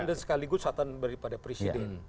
dan sekaligus satan beri pada presiden